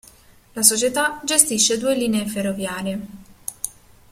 La società gestisce due linee ferroviarie